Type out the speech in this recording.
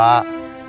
kita harus menunggu